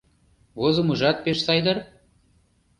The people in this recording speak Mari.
Возымыжат пеш сай дыр?